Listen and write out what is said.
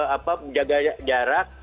apa jaga jarak